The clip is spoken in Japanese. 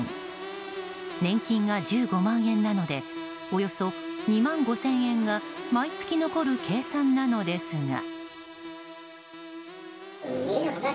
年金が１５万円なのでおよそ２万５０００円が毎月残る計算なのですが。